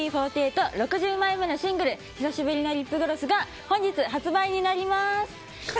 ＡＫＢ４８、６０枚目のシングル「久しぶりのリップグロス」が本日発売になります。